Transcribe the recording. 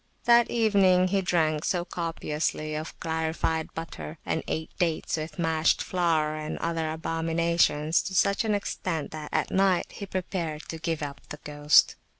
That evening he drank so copiously of clarified butter, and ate dates mashed with flour and other abominations to such an extent, that at night he prepared to give up the ghost.